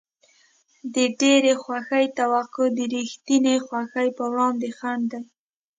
د ډېرې خوښۍ توقع د رښتینې خوښۍ په وړاندې خنډ دی.